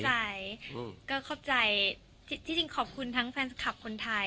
ใจก็ขอบใจที่จริงขอบคุณทั้งแฟนคลับคนไทย